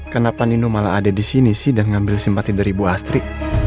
kenapa nino malah ada di sini sih dan ngambil simpati dari ibu astri